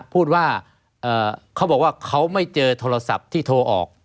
พูดว่าเขาบอกว่าเขาไม่เจอโทรศัพท์ที่โทรออก